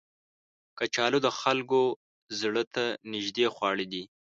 کچالو د خلکو زړه ته نیژدې خواړه دي